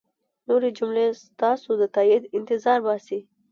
نورې جملې ستاسو د تایید انتظار باسي.